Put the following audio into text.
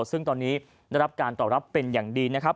ซึ่งตอนนี้ได้รับการตอบรับเป็นอย่างดีนะครับ